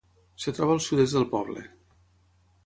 Es troba al sud-est del poble.